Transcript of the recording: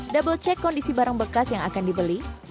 double check kondisi barang bekas yang akan dibeli